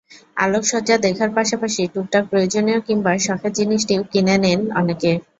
আলোকসজ্জা দেখার পাশাপাশি টুকটাক প্রয়োজনীয় কিংবা শখের জিনিসটিও কিনে নেন অনেকে।